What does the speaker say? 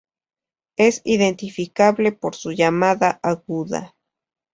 Es identificable por su llamada aguda.